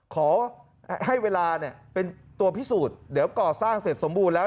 ขอให้เวลาเป็นตัวพิสูจน์เดี๋ยวก่อสร้างเสร็จสมบูรณ์แล้ว